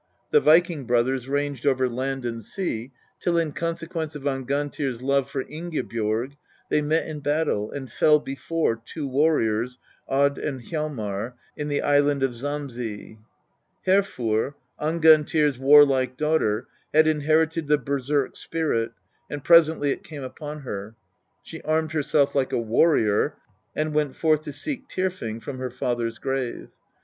The viking brothers ranged over land and sea, till in consequence of Angantyr's love for Ingibjorg they met in battle, and fell before, two warriors, Odd and Hjalmar, in the island of Samsey. Hervor, Angantyr's warlike daughter, had inherited the berserk spirit, and presently it came upon her. She armed herself like a warrior, and went forth to seek Tyrfing from her father's grave.